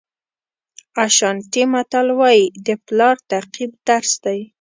اشانټي متل وایي د پلار تعقیب درس دی.